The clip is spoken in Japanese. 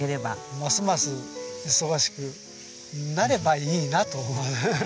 ますます忙しくなればいいなと思う。